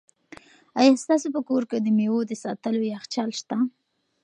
آیا ستاسو په کور کې د مېوو د ساتلو یخچال شته؟